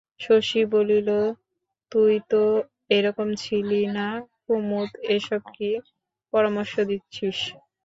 শশী বলিল, তুই তো এরকম ছিলি না কুমুদ, এসব কী পরামর্শ দিচ্ছিস?